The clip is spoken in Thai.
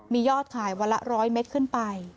มียอดขายวันละ๑๐๐เมตรขึ้นไป